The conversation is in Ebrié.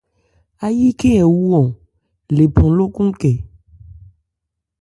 Áyí khɛ́n ɛ wu-ɔn lephan lókɔn ékɛ.